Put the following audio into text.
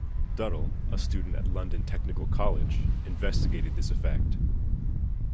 Duddell, a student at London Technical College, investigated this effect.